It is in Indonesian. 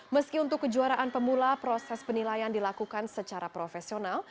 meski untuk kejuaraan pemula proses penilaian dilakukan secara profesional